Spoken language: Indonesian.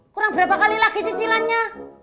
kurang berapa kali lagi cicilannya